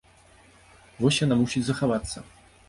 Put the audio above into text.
Вось яна мусіць захавацца.